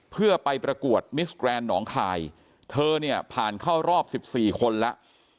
เพื่อไปประกวดมิสแกรนด์หนองคายเธอเนี่ยผ่านเข้ารอบ๑๔คนแล้ว